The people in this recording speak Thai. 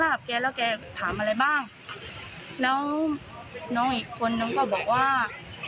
แกแล้วแกถามอะไรบ้างแล้วน้องอีกคนนึงก็บอกว่า